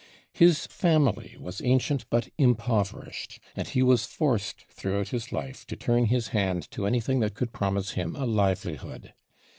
His family was ancient but impoverished, and he was forced throughout his life to turn his hand to anything that could promise him a livelihood.